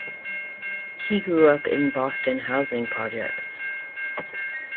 He grew up in Boston housing projects.